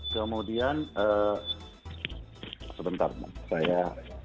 kemudian sebentar saya